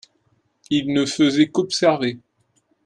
il ne faisait qu'observer.